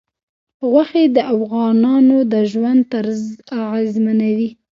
غوښې د افغانانو د ژوند طرز اغېزمنوي.